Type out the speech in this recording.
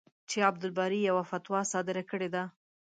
چې عبدالباري یوه فتوا صادره کړې ده.